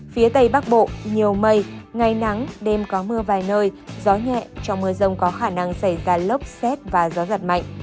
phía tây bắc bộ nhiều mây ngày nắng đêm có mưa vài nơi gió nhẹ trong mưa rông có khả năng xảy ra lốc xét và gió giật mạnh